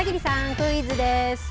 クイズです。